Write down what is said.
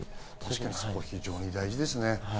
そこは非常に大事ですね。